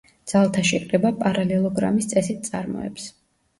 ძალთა შეკრება პარალელოგრამის წესით წარმოებს.